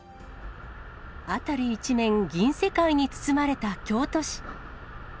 辺り一面、銀世界に包まれた京都市。